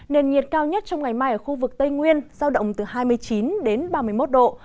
nền nhiệt cao nhất trong ngày mai ở khu vực tây nguyên giao động từ hai mươi chín đến ba mươi một độ